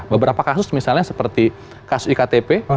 beberapa kasus misalnya seperti kasus iktp